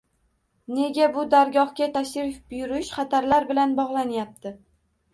Nega bu dargohga tashrif buyurish xatarlar bilan bog‘lanayapti?!